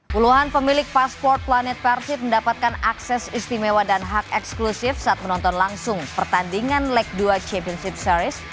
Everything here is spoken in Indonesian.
puluhan pemilik pasport planet persib mendapatkan akses istimewa dan hak eksklusif saat menonton langsung pertandingan leg dua championship series